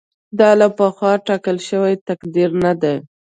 دا له پخوا ټاکل شوی تقدیر نه دی.